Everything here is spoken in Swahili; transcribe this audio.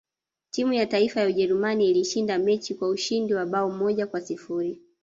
timu ya taifa ya ujerumani ilishinda mechi kwa ushindi wa bao moja kwa sifuri